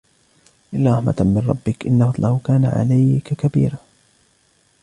إِلَّا رَحْمَةً مِنْ رَبِّكَ إِنَّ فَضْلَهُ كَانَ عَلَيْكَ كَبِيرًا